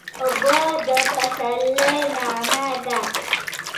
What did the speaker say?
اوبه د پسرلي نغمه ده.